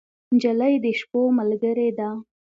نجلۍ د شپو ملګرې ده.